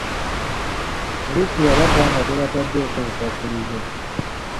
Poliisi yabata nga tebataddeeko bukwakkulizo.